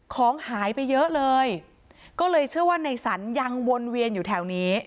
ของหายไปเยอะเลยก็เลยเชื่อว่าในสรรยังวนเวียนอยู่แถวนี้